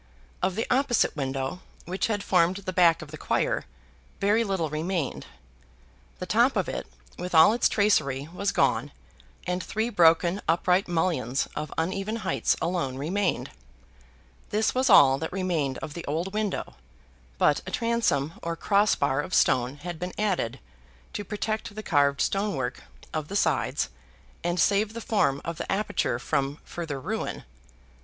Of the opposite window, which had formed the back of the choir, very little remained. The top of it, with all its tracery, was gone, and three broken upright mullions of uneven heights alone remained. This was all that remained of the old window, but a transom or cross bar of stone had been added to protect the carved stone work of the sides, and save the form of the aperture from further ruin.